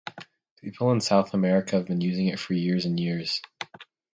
People in South America have been using it for years and years.